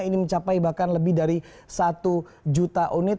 ini mencapai bahkan lebih dari satu juta unit